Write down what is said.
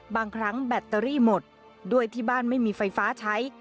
บางครั้งแบตเตอรี่หมดด้วยที่บ้านไม่มีไฟฟ้าใช้